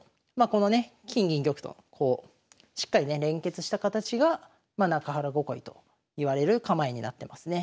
このね金銀玉とこうしっかりね連結した形が中原囲いといわれる構えになってますね。